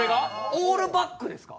オールバックですか？